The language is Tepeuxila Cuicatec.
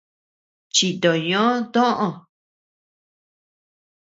Chito ñö toʼö.